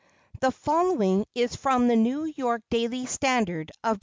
The following is from the New York Daily Standard of Dec.